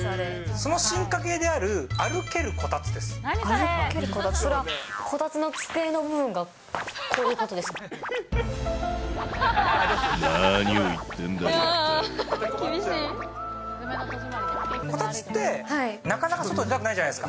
その進化系である歩けるこたつです。